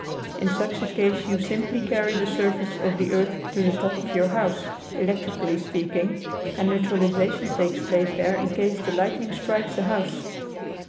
In such a case you simply carry the surface of the earth to the top of your house, electrically speaking, and neutralization takes place there in case the lightning strikes the house.